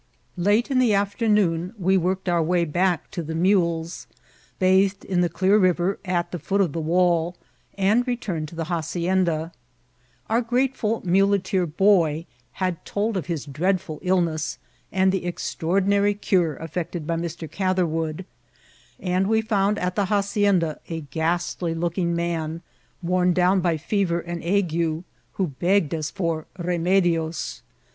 Late in the afternoon we worked our way back to the mules, bathed in the clear river at the foot of the wall, and returned to the hacienda« Our grateful muleteer boy had told of his dreadful illness, and the extraordi nary cure effected by Mr. Catherwood ; and we found Vol. L ^ 106 INCIDBHT8 OF TRATBL. at the hackiida a ghastly looking man, worn down by fever and ague, who begged ns for ^' remedioB."